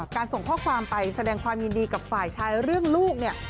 ส่งข้อความไปแสดงความยินดีกับฝ่ายชายเรื่องลูกเนี่ย